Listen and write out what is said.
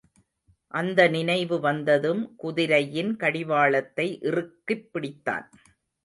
அந்த நினைவு வந்ததும், குதிரையின் கடிவாளத்தை இறுக்கிப் பிடித்தான்.